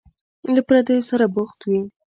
له پردیو سره بوخت وي.